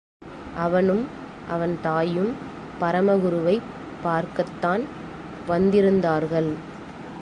அவனும், அவன் தாயும், பரமகுருவைப் பார்க்கத்தான் வந்திருந்தார்கள்.